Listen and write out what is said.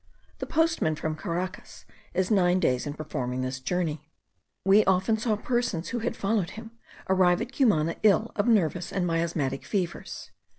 The postman from Caracas is nine days in performing this journey. We often saw persons, who had followed him, arrive at Cumana ill of nervous and miasmatic fevers.